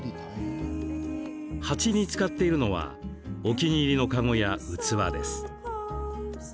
鉢に使っているのはお気に入りのカゴや器です。